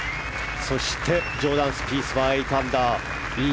そして、ジョーダン・スピースは８アンダー。